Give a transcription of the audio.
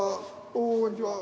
おおこんにちは。